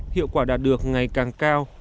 hiệu quả đạt được ngày càng cao